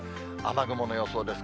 雨雲の予想です。